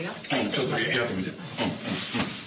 ちょっとやってみて。